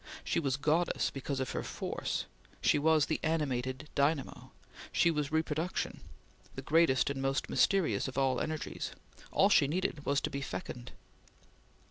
She was goddess because of her force; she was the animated dynamo; she was reproduction the greatest and most mysterious of all energies; all she needed was to be fecund.